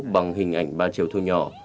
bằng hình ảnh ba chiều thu nhỏ